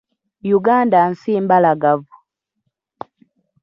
Uganda nsi mbalagavu.